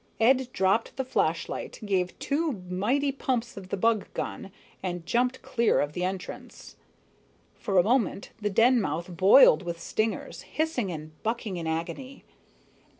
Ed dropped the flashlight, gave two mighty pumps of the bug gun, and jumped clear of the entrance. For a moment, the den mouth boiled with stingers, hissing and bucking in agony.